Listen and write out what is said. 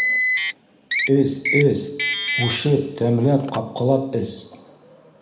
- Эс, эс, ҡушып, тәмләп, ҡапҡылап эс...